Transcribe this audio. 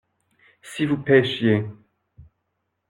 Si vous pêchiez.